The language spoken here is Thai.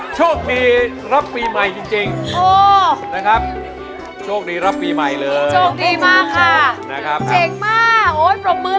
โจรดีมากค่ะเจ๋งมากโอ้ยปรบมือเลยปรบมือ